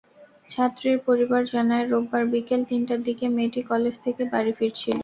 ছাত্রীর পরিবার জানায়, রোববার বিকেল তিনটার দিকে মেয়েটি কলেজ থেকে বাড়ি ফিরছিল।